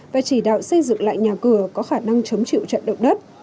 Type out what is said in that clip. và chỉ đạo xây dựng lại nhà cửa có khả năng chống chịu trận động đất